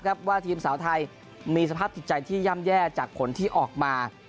ว่าทีมสาวไทยมีสภาพจิตใจที่ย่ำแย่จากผลที่ออกมา